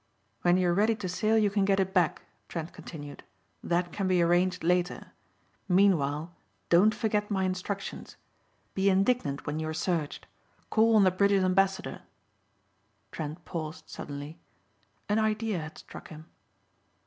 "When you're ready to sail you can get it back," Trent continued. "That can be arranged later. Meanwhile don't forget my instructions. Be indignant when you are searched. Call on the British Ambassador." Trent paused suddenly. An idea had struck him.